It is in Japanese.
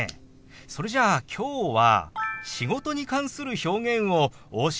それじゃあきょうは「仕事」に関する表現をお教えしましょう。